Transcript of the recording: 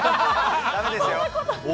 だめですよ。